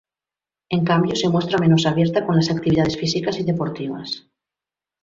En cambio, se muestra menos abierta con las actividades físicas y deportivas.